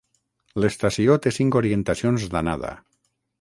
L'estació té cinc orientacions d'anada.